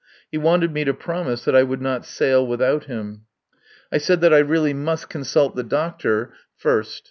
He wanted me to promise that I would not sail without him. I said that I really must consult the doctor first.